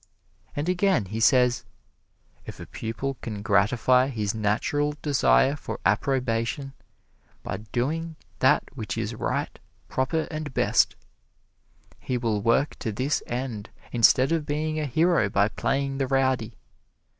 And again he says: "If a pupil can gratify his natural desire for approbation by doing that which is right, proper and best, he will work to this end instead of being a hero by playing the rowdy.